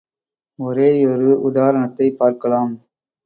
ஒரேயொரு உதாரணத்தைப் பார்க்கலாம்.